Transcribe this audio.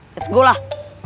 let's go lah